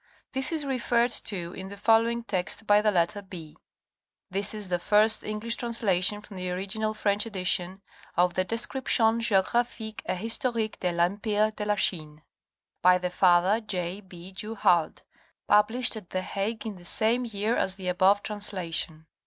This is referred to in the following text by the letter B. This is the first English translation from the original French edition of the '' Description geographique et historique de l'empire de la Chine" by the father J. B. Du Halde, published at the Hague in the same year as the above translation.